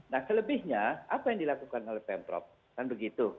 nah selebihnya apa yang dilakukan oleh pemprov kan begitu